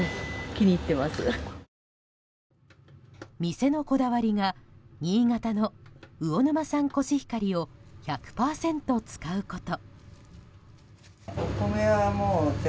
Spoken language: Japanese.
店のこだわりが新潟の魚沼産コシヒカリを１００％使うこと。